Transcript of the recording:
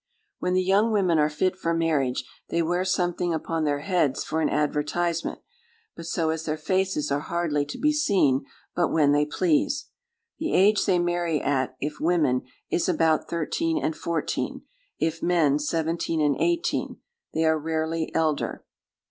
"When the young women are fit for marriage, they wear something upon their heads for an advertisement, but so as their faces are hardly to be seen but when they please. The age they marry at, if women, is about thirteen and fourteen; if men, seventeen and eighteen; they are rarely elder.